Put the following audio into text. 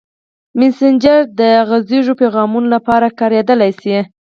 مسېنجر د غږیزو پیغامونو لپاره کارېدلی شي.